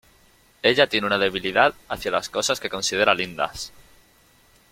Ella tiene una debilidad hacia las cosas que considera lindas.